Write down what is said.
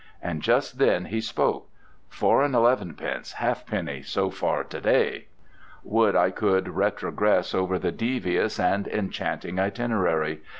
And just then he spoke—"Four and eleven pence half penny so far to day!" Would I could retrogress over the devious and enchanting itinerary.